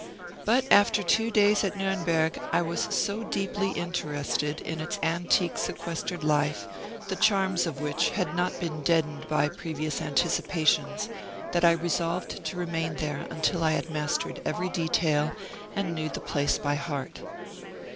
But after two days at Nuremberg I was so deeply interested in its antique sequestered life, the charms of which had not been deadened by previous anticipations, that I resolved to remain there until I had mastered every detail and knew the place by heart.